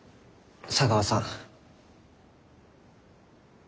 茶川さん。